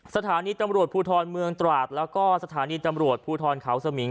สถานีตำรวจภูทรเมืองตราดแล้วก็สถานีตำรวจภูทรเขาสมิง